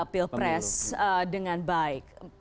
pilpres dengan baik